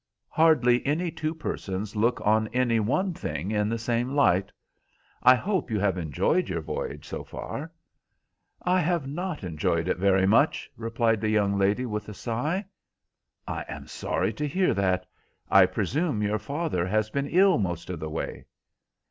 "Hardly any two persons look on any one thing in the same light. I hope you have enjoyed your voyage so far?" "I have not enjoyed it very much," replied the young lady with a sigh. "I am sorry to hear that. I presume your father has been ill most of the way?"